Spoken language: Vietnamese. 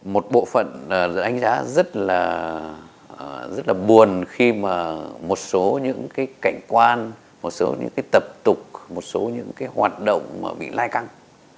một bộ phận đánh giá rất là buồn khi một số những cảnh quan một số những tập tục một số những hoạt động bị lai căng